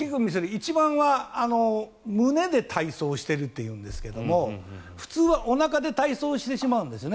一番は胸で体操をしていると言うんですけれども普通はおなかで体操してしまうんですね。